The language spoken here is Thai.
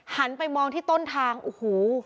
หันไปมองที่ต้นทางโอ้โห